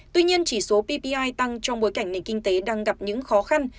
tuy nhiên chỉ số ppi tăng trong bối cảnh nền kinh tế đang gặp những khó khăn